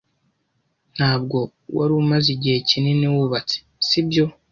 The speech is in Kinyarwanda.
Ntabwo wari umaze igihe kinini wubatse, si byo?